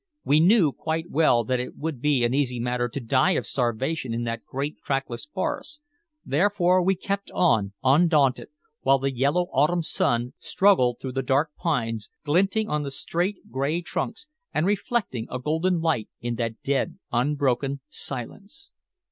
We knew quite well that it would be an easy matter to die of starvation in that great trackless forest, therefore we kept on undaunted, while the yellow autumn sun struggled through the dark pines, glinting on the straight gray trunks and reflecting a golden light in that dead unbroken silence.